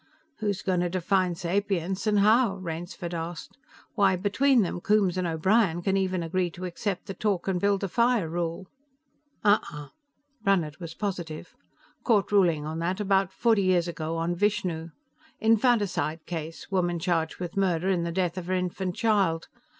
"Who's going to define sapience? And how?" Rainsford asked. "Why, between them, Coombes and O'Brien can even agree to accept the talk and build a fire rule." "Huh uh!" Brannhard was positive. "Court ruling on that, about forty years ago, on Vishnu. Infanticide case, woman charged with murder in the death of her infant child.